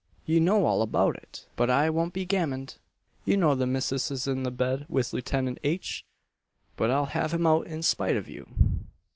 you know all about it! But I won't be gammoned! you know the missis is in bed with Lieutenant H.! But I'll have him out in spite of you!"